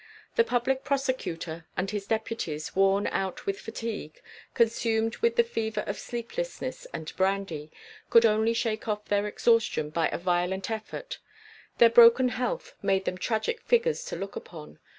The Public Prosecutor and his Deputies, worn out with fatigue, consumed with the fever of sleeplessness and brandy, could only shake off their exhaustion by a violent effort; their broken health made them tragic figures to look upon.